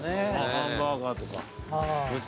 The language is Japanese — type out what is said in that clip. ハンバーガーとか。